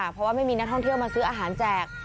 เพราะว่าไม่มีนักท่องเที่ยวมาซื้ออาหารแจก